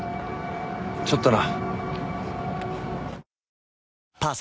ちょっとな。